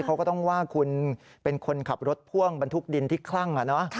เขาก็ต้องว่าคุณเป็นคนขับรถพ่วงบรรทุกดินที่คลั่ง